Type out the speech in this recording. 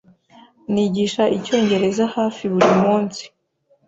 Nigisha icyongereza hafi buri munsi.